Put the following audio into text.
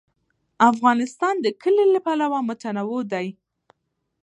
افغانستان د کلي له پلوه متنوع دی.